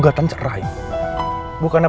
kita cek di tempat lain ya